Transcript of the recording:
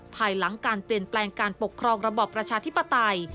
ภายหลังการเปลี่ยนแปลงการปกครองระบอบประชาธิปไตย